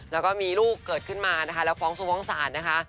แล้วก็มีลูกเกิดขึ้นมานะคะแล้วฟ้องสวงศาลนะคะ